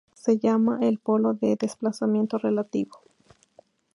Se llama el polo de desplazamiento relativo.